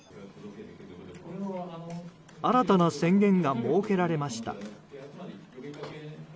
新たな宣言が設けられました。